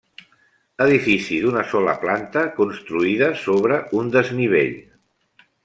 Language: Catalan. Edifici d'una sola planta construïda sobre un desnivell.